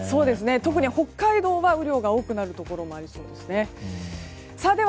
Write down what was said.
特に、北海道は雨量が多くなるところがありそうです。